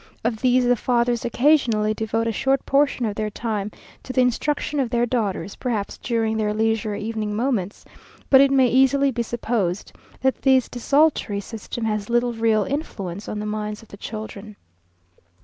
Of these the fathers occasionally devote a short portion of their time to the instruction of their daughters, perhaps during their leisure evening moments, but it may easily be supposed that this desultory system has little real influence on the minds of the children.